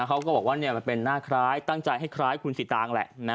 เขาก็บอกว่ามันเป็นหน้าคล้ายตั้งใจให้คล้ายคุณสิตางแหละ